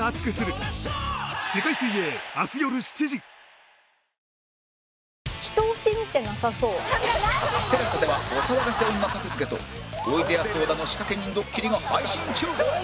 「肌男のメンズビオレ」ＴＥＬＡＳＡ ではお騒がせ女格付けとおいでやす小田の仕掛け人ドッキリが配信中！